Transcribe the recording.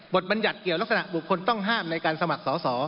บัญญัติเกี่ยวลักษณะบุคคลต้องห้ามในการสมัครสอสอ